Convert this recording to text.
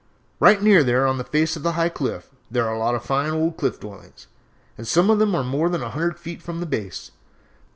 "Right near there, on the face of the high cliff, there are a lot of fine old Cliff dwellings, and some of them are more than one hundred feet from the base.